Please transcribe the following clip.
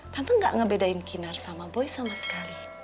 tante gak ngebedain kinar sama boy sama sekali